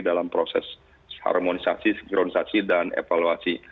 dalam proses harmonisasi sinkronisasi dan evaluasi